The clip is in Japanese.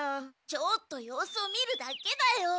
ちょっと様子を見るだけだよ。